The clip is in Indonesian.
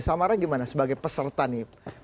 samara gimana sebagai peserta nih